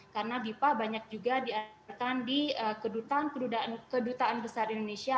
karena bipa banyak juga diajarkan di kedutaan besar indonesia